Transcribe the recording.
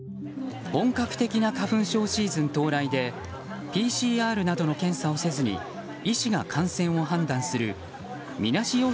本格的な花粉症シーズン到来でＰＣＲなどの検査をせずに医師が感染を判断するみなし